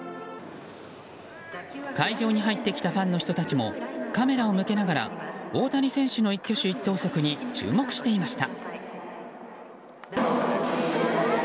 会場に入ってきたファンの人たちもカメラを向けながら大谷選手の一挙手一投足に注目していました。